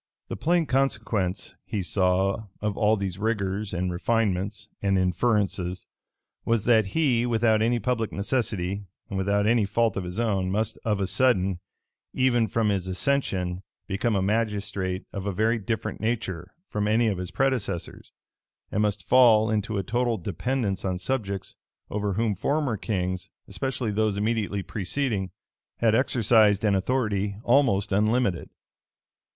The plain consequence, he saw, of all these rigors, and refinements, and inferences, was, that he, without any public necessity, and without any fault of his own, must of a sudden, even from his accession, become a magistrate of a very different nature from any of his predecessors, and must fall into a total dependence on subjects over whom former kings, especially those immediately preceding, had exercised an authority almost unlimited.